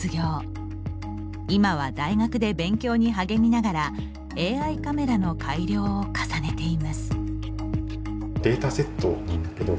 今は大学で勉強に励みながらＡＩカメラの改良を重ねています。